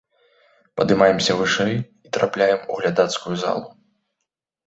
Падымаемся вышэй, і трапляем у глядацкую залу.